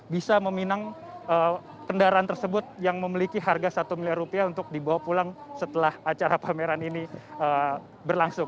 bisa meminang kendaraan tersebut yang memiliki harga satu miliar rupiah untuk dibawa pulang setelah acara pameran ini berlangsung